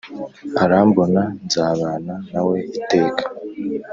Arambona, Nzabana nawe iteka,